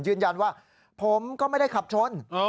ยืนยันว่าผมก็ไม่ได้ขับชน